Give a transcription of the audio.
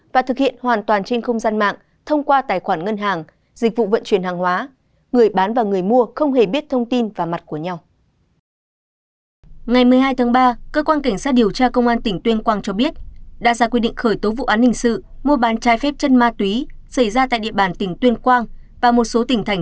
và thực hiện hoàn toàn trên không gian mạng thông qua tài khoản ngân hàng dịch vụ vận chuyển hàng hóa